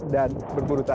dan berburu tanah